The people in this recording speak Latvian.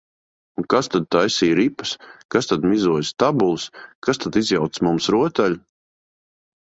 Un kas tad taisīja ripas, kas tad mizoja stabules, kas tad izjauca mums rotaļu?